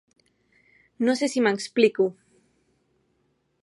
No sé si m’explico…